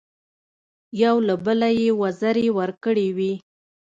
یو له بله یې وزرې ورکړې وې.